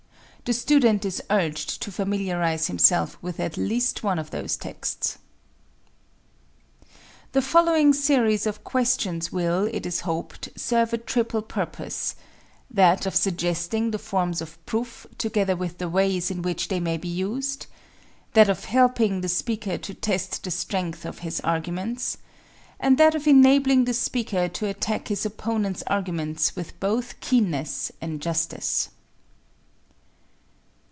The student is urged to familiarize himself with at least one of these texts. The following series of questions will, it is hoped, serve a triple purpose: that of suggesting the forms of proof together with the ways in which they may be used; that of helping the speaker to test the strength of his arguments; and that of enabling the speaker to attack his opponent's arguments with both keenness and justice.